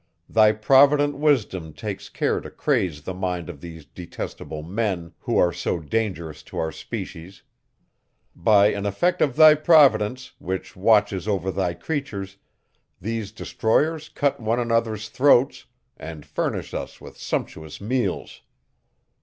Thy provident wisdom takes care to craze the minds of these detestable men, who are so dangerous to our species. By an effect of thy Providence, which watches over thy creatures, these destroyers cut one another's throats, and furnish us with sumptuous meals.